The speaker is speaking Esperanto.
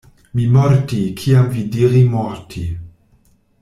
Mi morti, kiam vi diri morti.